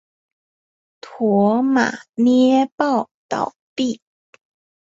驼马捏报倒毙。